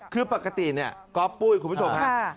คือปกติเนี่ยก๊อปปุ้ยคุณผู้ชมฮะ